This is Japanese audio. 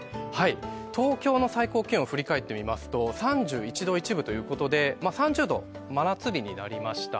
東京の最高気温を振り返ってみますと３１度１分ということで３０度、真夏日になりました。